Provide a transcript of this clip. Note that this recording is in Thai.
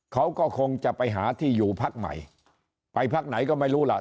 เขาก็คงจะไปหาที่อยู่พักใหม่ไปพักไหนก็ไม่รู้ล่ะ